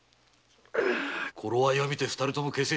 ころ合いを見て二人とも消せ。